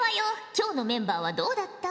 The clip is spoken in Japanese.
今日のメンバーはどうだった？